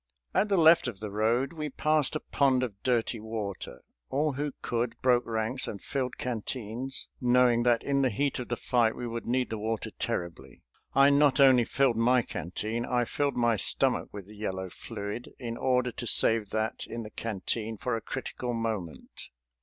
At the left of the road we passed a pond of dirty water. All who could broke ranks and filled canteens, knowing that in the heat of the fight we would need the water terribly. I not only filled my canteen, I filled my stomach with the yellow fluid, in order to save that in the canteen for a critical moment.